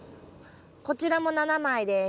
こちらも７枚です。